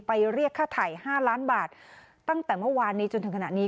เรียกค่าไถ่๕ล้านบาทตั้งแต่เมื่อวานนี้จนถึงขณะนี้